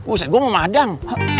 wisset gue mau madang